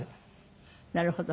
なるほど。